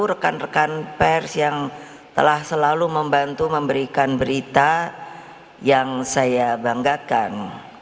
rekan rekan pers yang telah selalu membantu memberikan berita yang saya banggakan